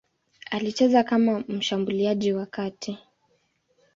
Alicheza kama mshambuliaji wa kati.